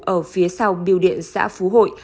ở phía sau biêu điện xã phú hội